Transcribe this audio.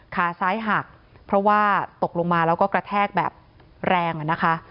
ขาซ้ายหักเพราะว่าตกลงมาแล้วก็กระแทกแบบแรงอ่ะนะคะ